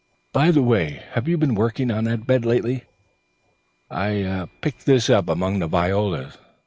"By the way, have you been working on that bed lately? I picked this up among the violas.